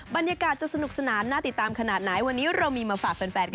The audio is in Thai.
บรรยากาศจะสนุกสนานน่าติตามขนาดไหน